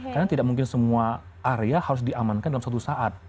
karena tidak mungkin semua area harus diamankan dalam suatu saat